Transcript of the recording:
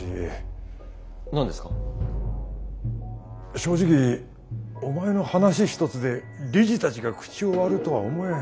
正直お前の話一つで理事たちが口を割るとは思えん。